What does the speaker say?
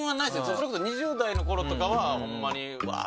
それこそ２０代の頃とかはホンマにうわぁ！